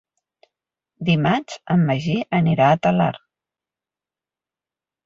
Dimarts en Magí anirà a Talarn.